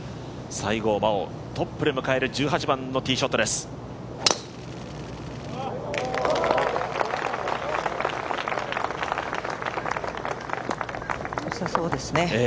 西郷真央、トップで迎える１８番のティーショットです。